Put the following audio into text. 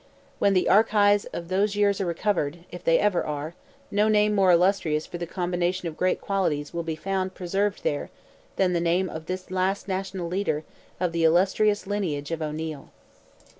When the archives of those years are recovered (if they ever are), no name more illustrious for the combination of great qualities will be found preserved there than the name of this last national leader of the illustrious lineage of O'Neil.